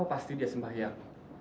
apa pasti dia sembahyang